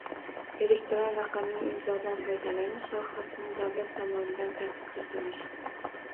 Elektron raqamli imzodan foydalanish sohasini davlat tomonidan tartibga solish